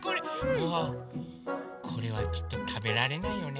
うわこれはきっとたべられないよね。